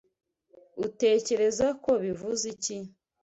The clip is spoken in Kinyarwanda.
Utekereza ko bivuze iki?